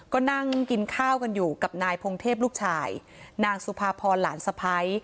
ก็นั่งกินข้าวกันอยู่กับนายพงเทพลูกชายนางสุภาพรหลานสะพ้าย